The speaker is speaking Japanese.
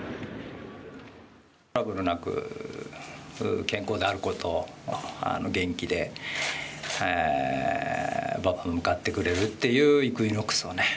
トラブルなく健康であること元気で馬場へ向かってくれるっていうイクイノックスをね